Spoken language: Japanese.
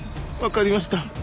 わかりました。